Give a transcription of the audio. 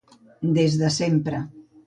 Des de sempre.